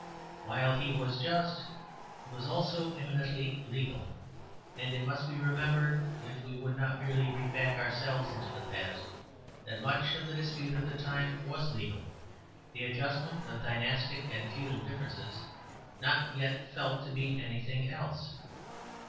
While he was just, he was also eminently legal. And it must be remembered, if we would not merely read back ourselves into the past, that much of the dispute of the time was legal; the adjustment of dynastic and feudal differences not yet felt to be anything else.